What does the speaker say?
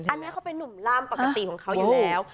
อันนี้เขาเป็นนุ่มล่ามปกติของเขาอยู่แล้ว